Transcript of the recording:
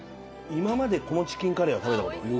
今までこのチキンカレーは食べた事ない。